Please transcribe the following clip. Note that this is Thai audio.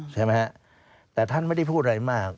ใช่ไหมฮะแต่ท่านไม่ได้พูดอะไรมาก